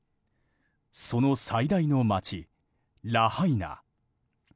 その最大の街ラハイナ。